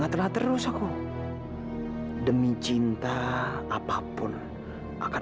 gapapa cuma sakit dikit kok